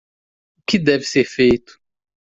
O que deve ser feito?